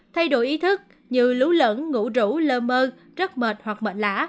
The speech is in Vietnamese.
thay đổi ý thức như lú lẫn ngủ rũ lơ mơ rất mệt hoặc mệt lã